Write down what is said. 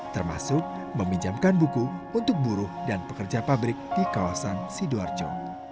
termasuk meminjamkan buku untuk buruh dan pekerja pabrik di kawasan sidoarjo